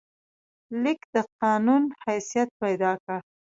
لیک د قانون حیثیت پیدا کړ.